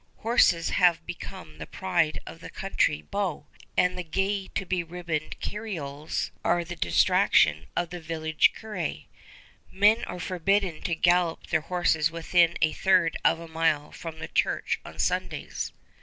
Horses have become the pride of the country beaux, and the gay be ribboned carrioles are the distraction of the village curé. "Men are forbidden to gallop their horses within a third of a mile from the church on Sundays."